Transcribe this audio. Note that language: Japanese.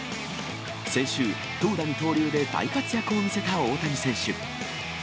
先週、投打二刀流で大活躍を見せた大谷選手。